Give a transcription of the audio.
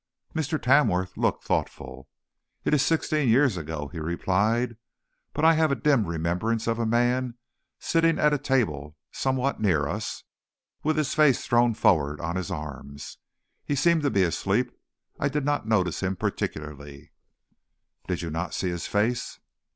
Mr. Tamworth looked thoughtful. "It is sixteen years ago," he replied, "but I have a dim remembrance of a man sitting at a table somewhat near us, with his face thrown forward on his arms. He seemed to be asleep; I did not notice him particularly." "Did you not see his face?"